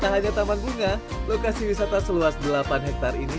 tak hanya taman bunga lokasi wisata seluas delapan hektare ini